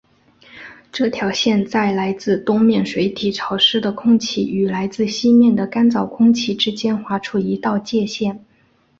这条线在来自东面水体潮湿的空气与来自西面的干燥空气之间划出一道界限。